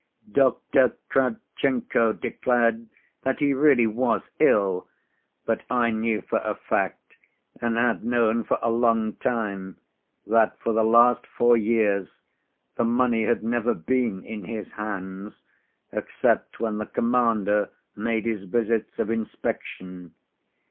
Dr. Kravchenko declared that he really was ill. But I knew for a fact, and had known for a long time, that for the last four years the money had never been in his hands except when the Commander made his visits of inspection.